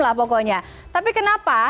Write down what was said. lah pokoknya tapi kenapa